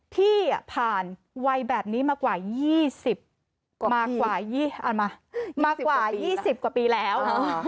พี่ผ่านวัยแบบนี้มากว่า๒๐กว่าปีแล้ว